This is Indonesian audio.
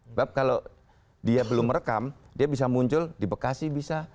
sebab kalau dia belum merekam dia bisa muncul di bekasi bisa